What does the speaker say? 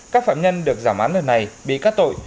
các phạm nhân được giảm án lần này bị cắt tội